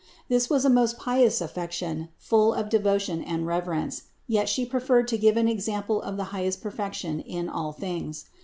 This was a most pious affec tion, full of devotion and reverence ; yet She preferred to give an example of the highest perfection in all things.